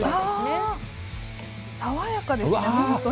爽やかですね。